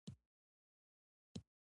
بادرنګ د سبزیو په منځ کې تر ټولو خوږ سبزی ده.